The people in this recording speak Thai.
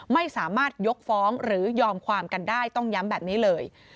ไม่สามารถยกฟ้องหรือยอมความกันได้ต้องย้ำแบบนี้เลย